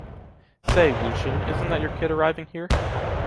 Say, Lucien, isn’t that your kid arriving here?